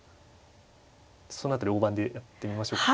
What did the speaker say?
その辺り大盤でやってみましょうか。